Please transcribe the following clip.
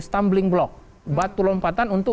stumbling block batu lompatan untuk